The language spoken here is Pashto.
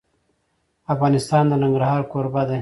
افغانستان د ننګرهار کوربه دی.